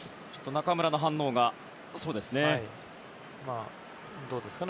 中村の反応がそうですね。